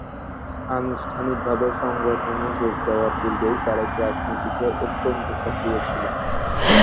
আনুষ্ঠানিক ভাবে সংগঠনে যোগ দেয়ার পূর্বেই তারেক রাজনীতিতে অত্যন্ত সক্রিয় ছিলেন।